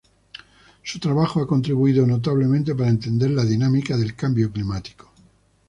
Su trabajo ha contribuido notablemente para entender la dinámica del cambio climático.